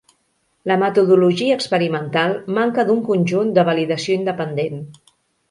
La metodologia experimental manca d'un conjunt de validació independent.